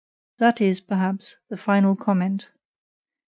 That is, perhaps, the final comment.